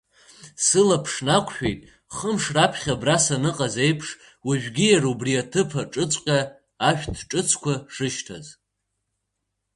Сылаԥш нақәшәеит, хымш раԥхьа абра саныҟаз еиԥш, уажәгьы иара убри аҭыԥ аҿыҵәҟьа ашәҭҿыцқәа шышьҭаз.